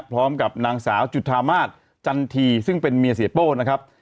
พร้อมกับนางสาวจุธามาศจันทีซึ่งเป็นเมียเสียโป้นะครับ